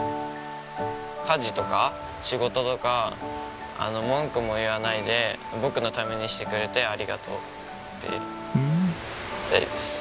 家事とか仕事とか文句も言わないで僕のためにしてくれてありがとうって言いたいです。